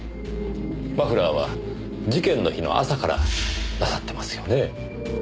マフラーは事件の日の朝からなさってますよね？